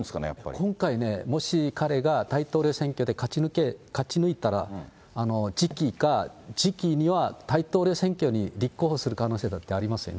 今回ね、もし彼が大統領選挙で勝ち抜いたら、次期か、次期には大統領選挙に立候補する可能性だってありますよね。